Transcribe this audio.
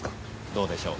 どうでしょう。